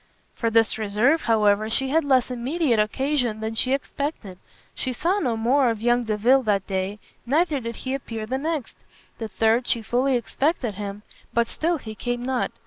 For this reserve, however, she had less immediate occasion than she expected; she saw no more of young Delvile that day; neither did he appear the next. The third she fully expected him, but still he came not.